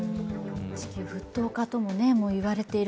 地球沸騰化ともいわれている